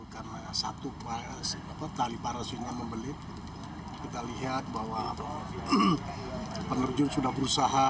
karena satu tali parasinya membelit kita lihat bahwa penerjun sudah berusaha